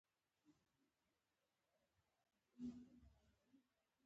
لوستل د زړه خوښي راوړي.